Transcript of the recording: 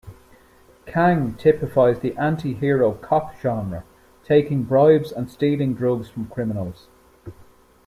Kang typifies the anti-hero cop genre, taking bribes and stealing drugs from criminals.